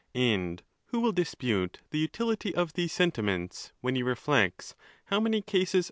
And who will dispute the utility of these sentiments, when he reflects how many cases ON THE LAWS.